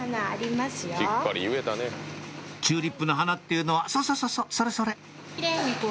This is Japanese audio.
チューリップの花っていうのはそうそうそうそう